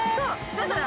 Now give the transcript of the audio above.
だから。